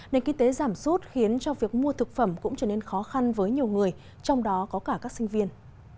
nền kinh tế giảm sút khiến cho việc mua thực phẩm cũng trở nên khó khăn với nhiều người trong đó có cả các sinh viên